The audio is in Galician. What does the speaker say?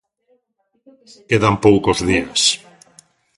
Quedan poucos días.